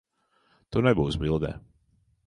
Tu nebūsi bildē.